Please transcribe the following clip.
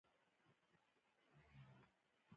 کچلاغ